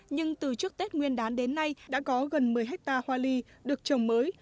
nhưng từ trước tết nguyên đán đến nay đã có gần một mươi hectare hoa ly được trồng mới